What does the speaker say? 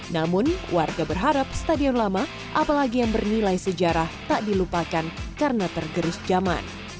namun warga berharap stadion lama apalagi yang bernilai sejarah tak dilupakan karena tergerus zaman